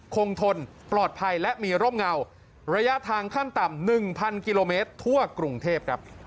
ทนปลอดภัยและมีร่มเงาระยะทางขั้นต่ำ๑๐๐กิโลเมตรทั่วกรุงเทพครับ